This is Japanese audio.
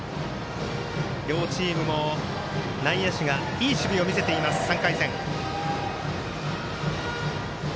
両チームも内野手がいい守備を見せている３回戦。